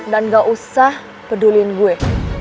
dan gak usah pedulin gue